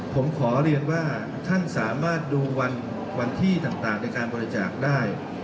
ผมขอเรียนว่าท่านสามารถดูวันที่ต่างในการบริจาคได้